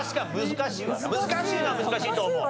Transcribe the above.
難しいのは難しいと思う。